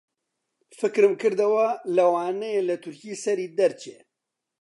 فکرم کردەوە لەوانەیە لە تورکی سەری دەرچێ